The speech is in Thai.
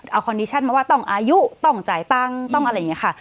เอาคอนดิชั่นมาว่าต้องอายุต้องจ่ายตังค์ต้องอะไรอย่างนี้ค่ะ